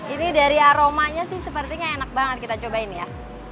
ini dari aromanya sih sepertinya enak banget kita cobain ya